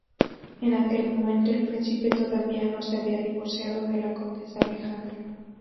En aquel momento, el príncipe todavía no se había divorciado de la condesa Alejandra.